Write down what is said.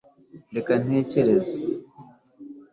reka ntekereze